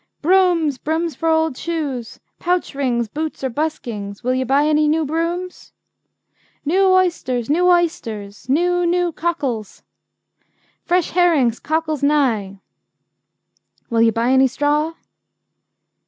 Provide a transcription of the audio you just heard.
'Brooms, brooms for old shoes! Pouch rings, boots, or buskings! Will ye buy any new brooms?' 'New oysters, new oysters! New, new cockles!' 'Fresh herrings, cockels nye!' 'Will you buy any straw?'